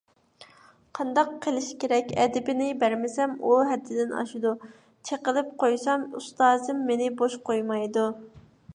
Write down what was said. قانداق قىلىش كېرەك، ئەدىپىنى بەرمىسەم، ئۇ ھەددىدىن ئاشىدۇ، چېقىلىپ قويسام، ئۇستازىم مېنى بوش قويمايدۇ.